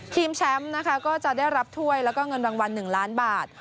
แชมป์นะคะก็จะได้รับถ้วยแล้วก็เงินรางวัล๑ล้านบาท